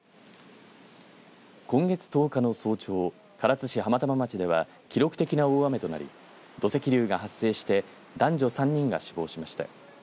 今月１０日の早朝唐津市浜玉町では記録的な大雨となり土石流が発生して男女３人が死亡しました。